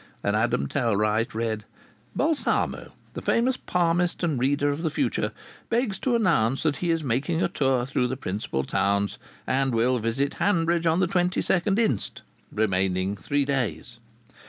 And Adam Tellwright read: "'Balsamo, the famous palmist and reader of the future, begs to announce that he is making a tour through the principal towns, and will visit Hanbridge on the 22nd inst., remaining three days.